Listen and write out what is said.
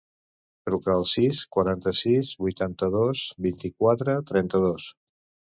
Truca al sis, quaranta-sis, vuitanta-dos, vint-i-quatre, trenta-dos.